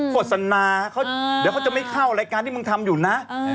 โฆษณาเดี๋ยวเขาจะไม่เข้ารายการที่มึงทำอยู่นะ